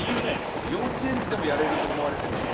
幼稚園児でもやれると思われてる仕事。